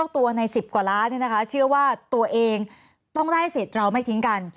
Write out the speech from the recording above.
ตัวเองต้องได้สิทธิ์เราไม่ทิ้งกัน